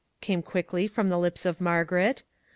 came quickly from the lips of Margaret.